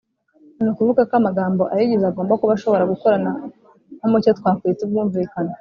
ni ukuvuga ko amagambo ayigize agomba kuba ashobora gukorana nko mu cyo twakwita ubwumvikane.